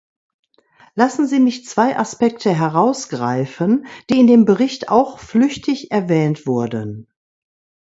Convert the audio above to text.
Lassen Sie mich zwei Aspekte herausgreifen, die in dem Bericht auch flüchtig erwähnt wurden.